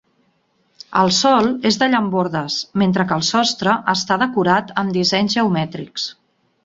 El sòl és de llambordes mentre que el sostre està decorat amb dissenys geomètrics.